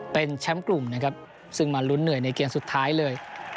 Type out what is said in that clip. เป็นแชมป์กลุ่มนะครับซึ่งมาลุ้นเหนื่อยในเกมสุดท้ายเลย